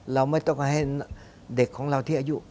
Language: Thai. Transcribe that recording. เราไม่ต้องให้เด็กของเราที่อายุ